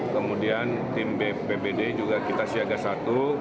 kemudian tim bpbd juga kita siaga satu